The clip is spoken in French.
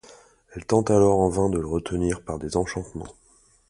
Elle tente alors en vain de le retenir par des enchantements.